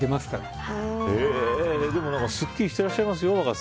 若狭さん、いつもすっきりしていらっしゃいますよ。